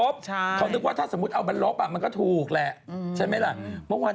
บางทีครูอาจจะกินยามรึเปล่า